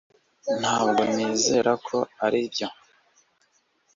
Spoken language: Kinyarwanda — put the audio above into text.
Ntabwo nizera ko aribyo